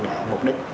để mục đích